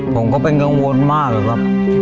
ผมก็เป็นเงินวนมากครับ